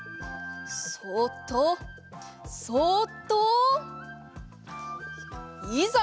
そっとそっといざ！